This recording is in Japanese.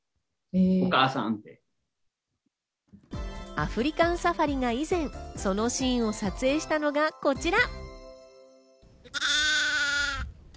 アフリカンサファリが以前、そのシーンを撮影したのがこちら。